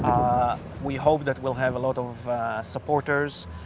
kami berharap kami akan memiliki banyak pendukung